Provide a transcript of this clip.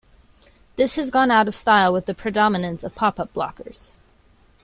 This has gone out of style with the predominance of pop-up blockers.